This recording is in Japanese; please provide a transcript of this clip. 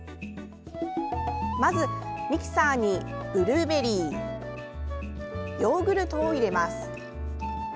まず、ミキサーにブルーベリーヨーグルトを入れます。